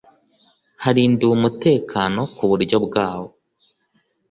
harindiwe umutekano mu buryo bw’aho